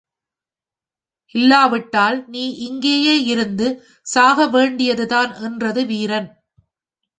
இல்லாவிட்டால் நீ இங்கேயே இருந்து சாக வேண்டியதுதான் என்றது வீரன்.